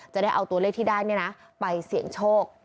จะได้เอาตัวเลขที่ได้ไปเสี่ยงโชค